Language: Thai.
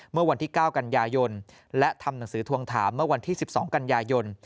เมื่อวันที่๙กันยายนและทำหนังสือทวงถามเมื่อวันที่๑๒กันยายน